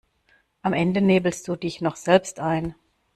Am Ende nebelst du dich noch selbst ein.